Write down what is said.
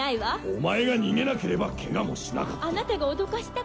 お前が逃げなければけがもしなかった。